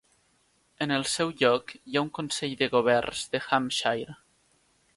En el seu lloc hi ha un Consell de Governs de Hampshire.